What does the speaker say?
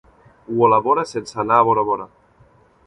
Ho elabora sense anar a Bora Bora.